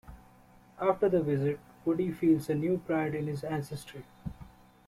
After the visit, Woody feels a new pride in his ancestry.